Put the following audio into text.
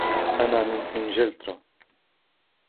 أنا من إنجلترا.